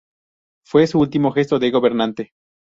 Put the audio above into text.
Fue su último gesto de gobernante.